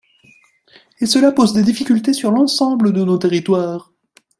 Et cela pose des difficultés sur l’ensemble de nos territoires.